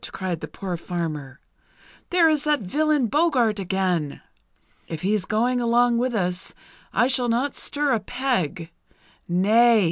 cried the poor farmer. "There is that villain Boggart again! If he's going along with us, I shall not stir a peg. Nay!